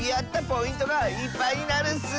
ポイントがいっぱいになるッス！